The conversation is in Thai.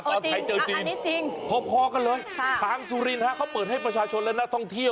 ตอนไทยเจอจีนพอกันเลยทางสุรินฮะเขาเปิดให้ประชาชนและนักท่องเที่ยว